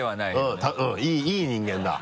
うんいい人間だ。